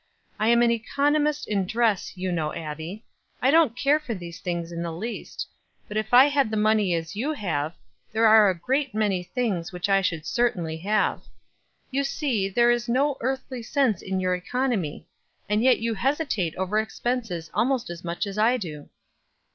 I am an economist in dress, you know, Abbie. I don't care for these things in the least; but if I had the money as you have, there are a great many things which I should certainly have. You see there is no earthly sense in your economy, and yet you hesitate over expenses almost as much as I do."